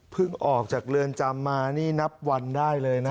ออกจากเรือนจำมานี่นับวันได้เลยนะ